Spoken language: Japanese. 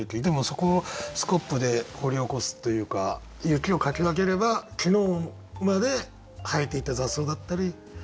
でもそこをスコップで掘り起こすというか雪をかき分ければ昨日まで生えていた雑草だったり。